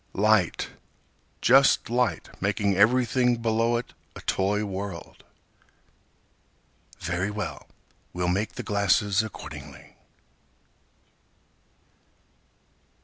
Light, just light making everything below it a toy world. Very well, we'll make the glasses accordingly.